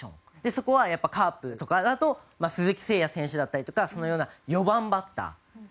そこはやっぱりカープとかだと鈴木誠也選手だったりとかそのような４番バッター。